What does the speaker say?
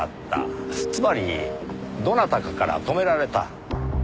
つまりどなたかから止められた。